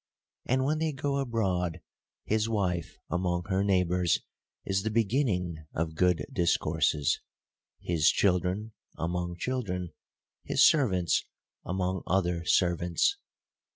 And when they go abroad, his wife among her neighbors is the beginning of good discourses ; his THE COUNTRY PARSON. 27 children, among children; his servants, among other servants.